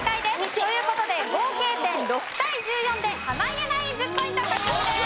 という事で合計点６対１４で濱家ナイン１０ポイント獲得です。